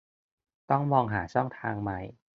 ต้องมองหาช่องทางใหม่